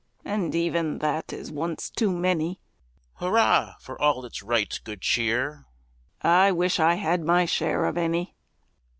(And even that is once too many;) Hurrah for all its right good cheer! (_I wish I had my share of any!